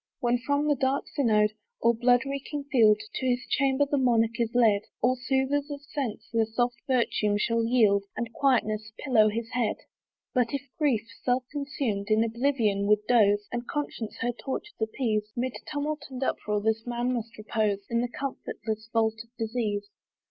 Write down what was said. When from the dark synod, or blood reeking field, To his chamber the monarch is led, All soothers of sense their soft virtue shall yield, And quietness pillow his head. But if grief, self consumed, in oblivion would doze, And conscience her tortures appease, 'Mid tumult and uproar this man must repose; In the comfortless vault of disease.